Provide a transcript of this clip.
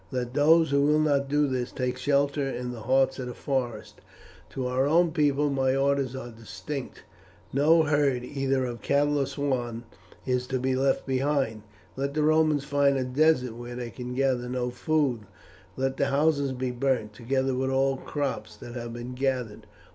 Let those who will not do this take shelter in the hearts of the forests. To our own people my orders are distinct: no herd, either of cattle or swine, is to be left behind. Let the Romans find a desert where they can gather no food; let the houses be burnt, together with all crops that have been gathered.